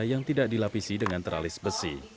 yang tidak dilapisi dengan teralis besi